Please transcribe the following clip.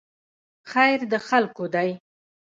خیر د خلکو دی